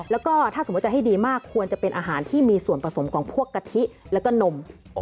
แล้วก็ถ้าสมมุติจะให้ดีมากควรจะเป็นอาหารที่มีส่วนผสมของพวกกะทิแล้วก็นม